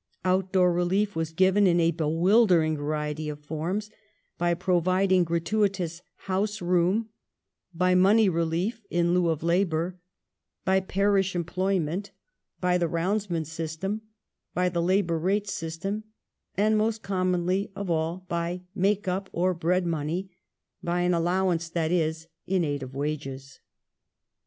Outdoor relief was given in a bewildering variety of foims : by pro viding gratuitous house room ; by money relief " in lieu of labour "; by "parish employment" ; by the "roundsman system"; by the " labour rates system "; and most commonly of all by *' make up " or bread money," by an allowance, that is, in aid of wages.